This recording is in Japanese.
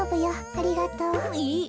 ありがとう。えっ？